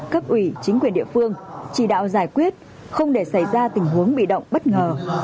cấp ủy chính quyền địa phương chỉ đạo giải quyết không để xảy ra tình huống bị động bất ngờ